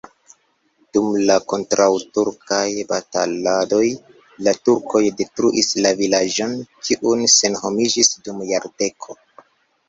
Dum la kontraŭturkaj bataladoj la turkoj detruis la vilaĝon, kiu senhomiĝis dum jardeko.